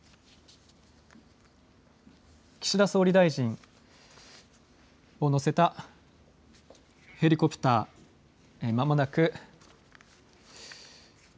岸田総理大臣を乗せたヘリコプター、まもなく。